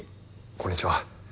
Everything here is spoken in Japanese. こんにちは。